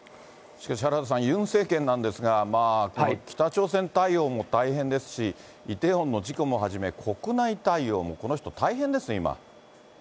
しかし原田さん、ユン政権なんですが、まあ、この北朝鮮対応も大変ですし、イテウォンの事故をはじめ、対応もこれ、国内対応もこの人、大変ですね、今。